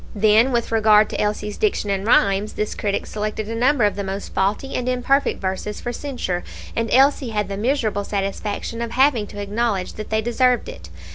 Then, with regard to Elsie's diction and rhymes, this critic selected a number of the most faulty and imperfect verses for censure, and Elsie had the miserable satisfaction of having to acknowledge that they deserved it.